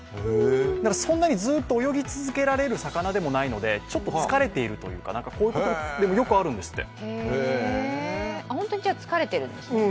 そんなにずっと泳ぎ続けられる魚でもないのでちょっと疲れているというか、こういうこと、よくあるんですって。